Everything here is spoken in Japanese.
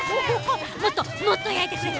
もっともっと焼いてくれ！